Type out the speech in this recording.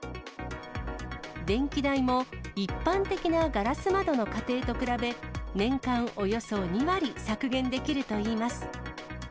電気代も一般的なガラス窓の家庭と比べ、年間およそ２割削減できるといいます。